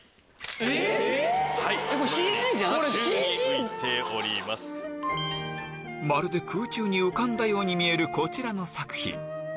えっ⁉まるで空中に浮かんだように見えるこちらの作品